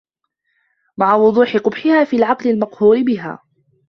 مَعَ وُضُوحِ قُبْحِهَا فِي الْعَقْلِ الْمَقْهُورِ بِهَا